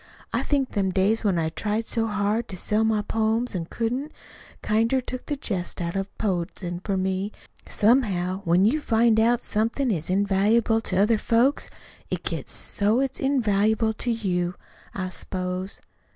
I think them days when I tried so hard to sell my poems, an' couldn't, kinder took the jest out of poetizin' for me. Somehow, when you find out somethin' is invaluable to other folks, it gets so it's invaluable to you, I s'pose.